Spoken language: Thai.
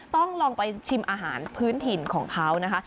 ต้องลองไปชิมอาหารพื้นถิ่นของเขานะคะ